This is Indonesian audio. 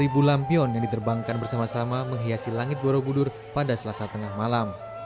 lima lampion yang diterbangkan bersama sama menghiasi langit borobudur pada selasa tengah malam